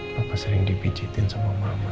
bapak sering dipijitin sama mama